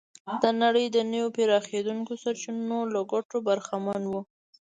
د نړۍ د نویو پراخېدونکو سرچینو له ګټو برخمن و.